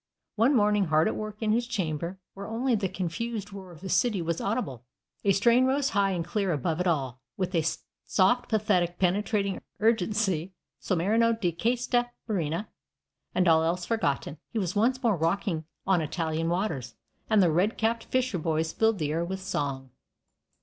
One morning, hard at work in his chamber, where only the confused roar of the city was audible, a strain rose high and clear above it all, with a soft, pathetic, penetrating urgency, "So' marinaro di questa marina," and, all else forgotten, he was once more rocking on Italian waters, and the red capped fisher boys filled the air with song.